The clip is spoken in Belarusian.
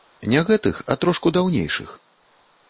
Не гэтых, а трошку даўнейшых.